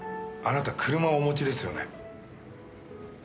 あなた車をお持ちですよね？